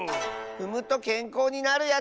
ふむとけんこうになるやつ！